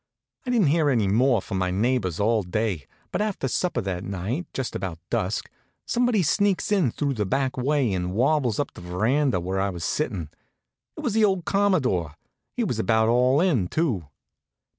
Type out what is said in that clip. I didn't hear any more from my neighbors all day, but after supper that night, just about dusk, somebody sneaks in through the back way and wabbles up to the veranda where I was sittin'. It was the old Commodore. He was about all in, too.